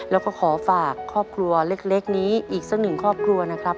แล้วก็ขอฝากครอบครัวเล็กนี้อีกสักหนึ่งครอบครัวนะครับ